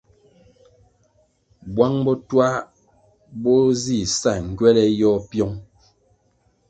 Buang botuah bo zi sa ngywele yôh piong.